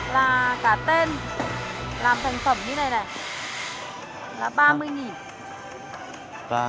là cả tên làm thành phẩm như thế này này